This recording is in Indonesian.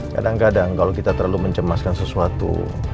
kadang kadang kalau kita terlalu mencemaskan sesuatu